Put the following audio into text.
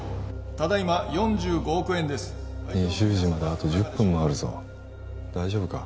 ただいま４５億円です２０時まであと１０分もあるぞ大丈夫か？